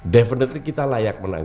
definitely kita layak menang